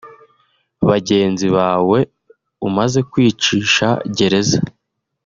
Bagenzi bawe umaze kwicisha gereza